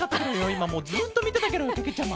いまずっとみてたケロよけけちゃま。